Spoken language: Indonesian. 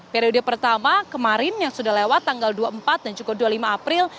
periode pertama kemarin yang sudah lewat tanggal dua puluh empat dan juga dua puluh lima april